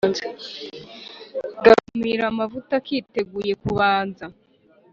gakumira amavuta kiteguye kubanza.